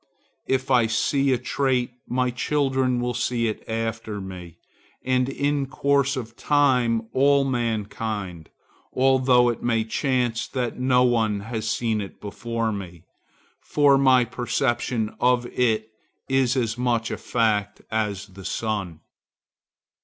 If I see a trait, my children will see it after me, and in course of time all mankind,—although it may chance that no one has seen it before me. For my perception of it is as much a fact as the sun.